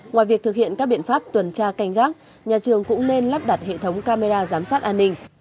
ngoài việc thực hiện các biện pháp tuần tra canh gác nhà trường cũng nên lắp đặt hệ thống camera giám sát an ninh